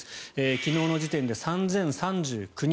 昨日の時点で３０３９人。